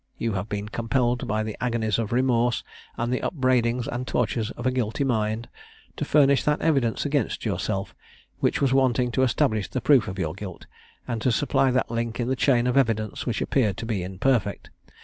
You have been compelled by the agonies of remorse, and the upbraidings and tortures of a guilty mind, to furnish that evidence against yourself, which was wanting to establish the proof of your guilt, and to supply that link in the chain of evidence which appeared to be imperfect.